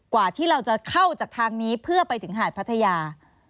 กว่าที่เราจะเข้าจากทางนี้เพื่อไปถึงหาดพัทยา